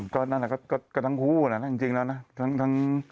ก็นั่นแหละก็ทั้งคู่นะจริงแล้วนะทั้ง